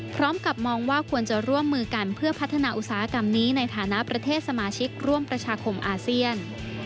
พร้อมกับมองว่าควรจะร่วมมือกันเพื่อพัฒนาอุตสาหกรรมนี้ในฐานะประเทศสมาชิกร่วมประชาคมอาเซียน